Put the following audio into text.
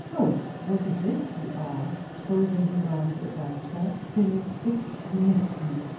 "Lois! what is it?" he asked, folding his arms about her. "Philip, it smites me!"